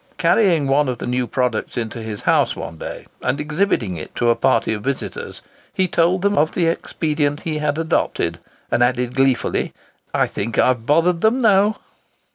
Carrying one of the new products into his house one day, and exhibiting it to a party of visitors, he told them of the expedient he had adopted, and added gleefully, "I think I have bothered them noo!"